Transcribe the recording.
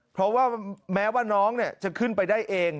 เพราะว่าแม้ว่าน้องจะขึ้นไปได้เอง